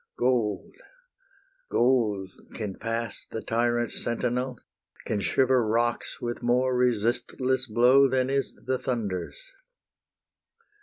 Gold, gold can pass the tyrant's sentinel, Can shiver rocks with more resistless blow Than is the thunder's.